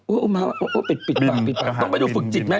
โอ๊ยปิดปากต้องไปดูฝึกจิตมั้ย